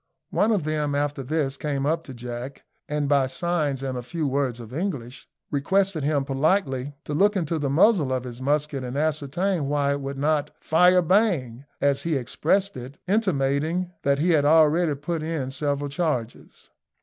One of them after this came up to Jack, and, by signs and a few words of English, requested him politely to look into the muzzle of his musket and ascertain why it would not "fire! bang!" as he expressed it, intimating that he had already put in several charges.